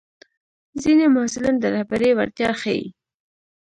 ځینې محصلین د رهبرۍ وړتیا ښيي.